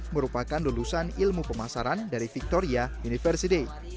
merupakan lulusan ilmu pemasaran dari victoria university